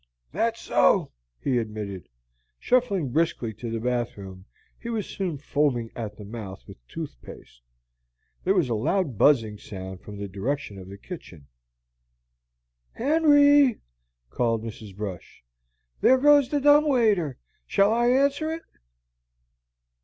"That's so," he admitted. Shuffling briskly to the bathroom, he was soon foaming at the mouth with tooth paste. There was a loud buzzing sound from the direction of the kitchen. "Henry!" called Mrs. Brush, "there goes the dumb waiter. Shall I answer it?"